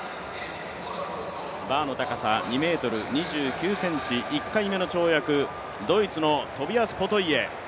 バーの高さ、２ｍ２９ｃｍ、１回目の跳躍、ドイツのトビアス・ポトイエ。